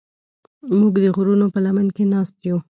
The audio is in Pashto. موږ د غرونو په لمنه کې ناست یو.